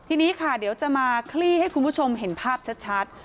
ทีนี้ค่ะเดี๋ยวจะมาคลี่ให้คุณผู้ชมเห็นภาพชัด